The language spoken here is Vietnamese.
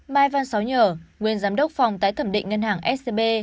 mai văn sáu nhờ nguyên giám đốc phòng tái thẩm định ngân hàng scb